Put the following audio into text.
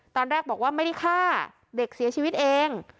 ตอนแรกบอกว่าไม่ได้ฆ่าเด็กเสียชีวิตเอง